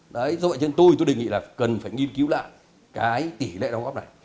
đấy do vậy nên tôi đề nghị là cần phải nghiên cứu lại cái tỷ lệ đóng góp này